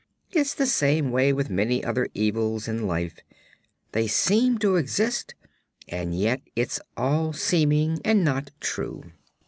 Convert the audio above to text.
It's the same way with many other evils in life; they seem to exist, and yet it's all seeming and not true.